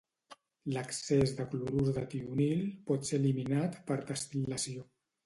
L'excés de clorur de tionil pot ser eliminat per destil·lació.